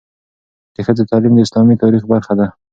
د ښځو تعلیم د اسلامي تاریخ برخه ده.